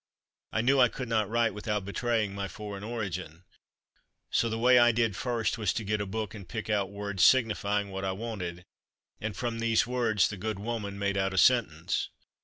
I knew I could not write without betraying my foreign origin, so the way I did first was to get a book and pick out words signifying what I wanted, and from these words the good woman made out a sentence.